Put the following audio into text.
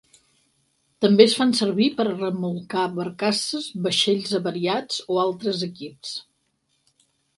També es fan servir per a remolcar barcasses, vaixells avariats o altres equips.